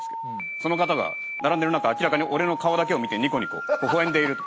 その方が並んでる中明らかに俺の顔だけを見てニコニコ微笑んでいると。